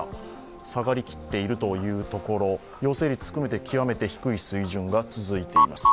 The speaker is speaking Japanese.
下がりきっているというところ、陽性率含めて極めて低い水準が続いています。